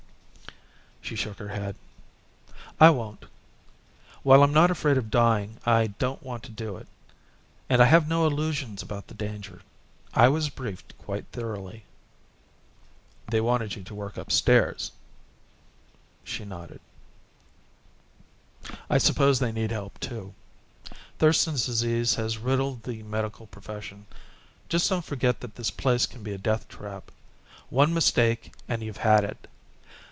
She shook her head. "I won't. While I'm not afraid of dying I don't want to do it. And I have no illusions about the danger. I was briefed quite thoroughly." "They wanted you to work upstairs?" She nodded. "I suppose they need help, too. Thurston's Disease has riddled the medical profession. Just don't forget that this place can be a death trap. One mistake and you've had it.